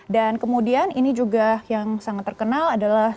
dan kemudian ini juga yang sangat terkenal adalah